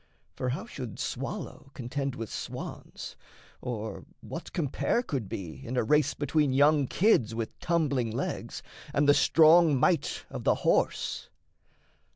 for how should swallow Contend with swans or what compare could be In a race between young kids with tumbling legs And the strong might of the horse?